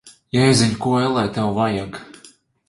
Jēziņ! Ko, ellē, tev vajag?